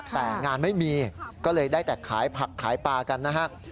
แต่งานไม่มีก็เลยได้แต่ขายผักขายปลากันนะฮะ